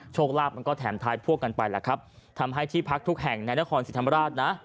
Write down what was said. โชคลาภมันก็แถมท้ายพวกกันไปแหละครับทำให้ที่พักทุกแห่งในนครศรีธรรมราชนะ